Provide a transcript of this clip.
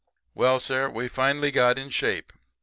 "Well, sir, we finally got in shape.